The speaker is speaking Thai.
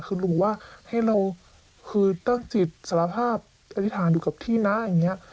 คือหนูว่าให้เราคือตั้งจิตสารภาพอธิษฐานอยู่กับที่นะอย่างนี้